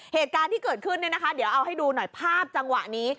เหตุการณ์ที่เกิดขึ้นเนี่ยนะคะเดี๋ยวเอาให้ดูหน่อยภาพจังหวะนี้